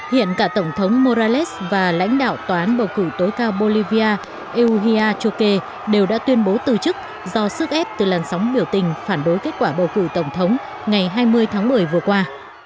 hiện cả tổng thống morales và lãnh đạo tòa án bầu cử tối cao bolivia eugia choke đều đã tuyên bố từ chức do sức ép từ làn sóng biểu tình phản đối kết quả bầu cử tổng thống ngày hai mươi tháng một mươi vừa qua